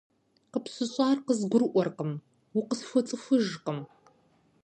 КъыпщыщӀар къызгурыӀуэркъым, укъысхуэцӀыхужкъым.